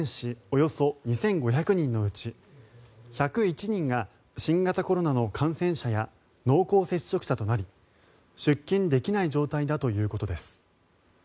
およそ２５００人のうち１０１人が新型コロナの感染者や濃厚接触者となり出勤できない状態だということです。